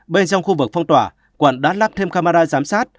bên trong khu vực phong tỏa quận đã lắp thêm camera giám sát